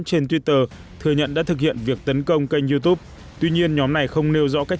trên twitter thừa nhận đã thực hiện việc tấn công kênh youtube tuy nhiên nhóm này không nêu rõ cách